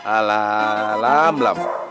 alah lam lam